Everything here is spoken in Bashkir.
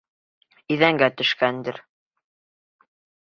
Иҙәнгә төшкәндер.